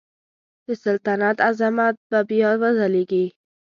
د سلطنت عظمت به بیا وځلیږي.